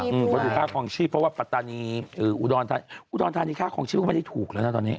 คุณผู้ถึงฆ่าของชีพเพราะว่าปราตานีอูดรฮาริอูดรธานีฮาริภาพของชีพก็ไม่ได้ถูกแล้วนะตอนนี้